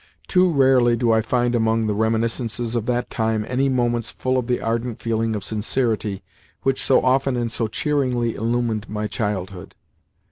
Too rarely do I find among the reminiscences of that time any moments full of the ardent feeling of sincerity which so often and so cheeringly illumined my childhood.